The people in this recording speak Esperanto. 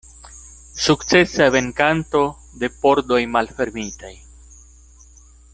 Sukcesa venkanto de pordoj malfermitaj.